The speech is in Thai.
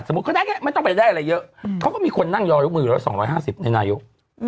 สมมุติก็ได้แค่นี้ไม่ต้องไปได้อะไรเยอะเขาก็มีคนนั่งยอดยกมือ๒๕๐ในนายุค